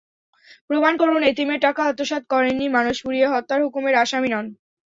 প্রমাণ করুন—এতিমের টাকা আত্মসাৎ করেননি, মানুষ পুড়িয়ে হত্যার হুকুমের আসামি নন।